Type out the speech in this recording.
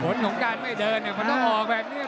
ผลของการไม่เดินมันต้องออกแบบนี้